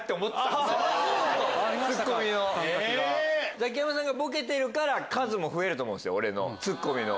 ザキヤマさんがボケてるから数も増える俺のツッコミの。